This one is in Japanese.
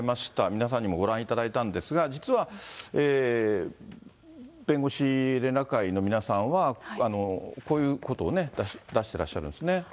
皆さんにもご覧いただいたんですが、実は弁護士連絡会の皆さんは、こういうことを出してらっしゃるんですね。